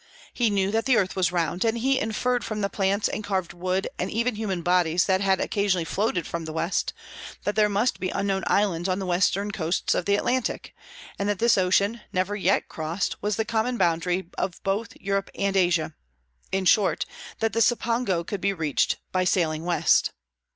He knew that the earth was round, and he inferred from the plants and carved wood and even human bodies that had occasionally floated from the West, that there must be unknown islands on the western coasts of the Atlantic, and that this ocean, never yet crossed, was the common boundary of both Europe and Asia; in short, that the Cipango could be reached by sailing west.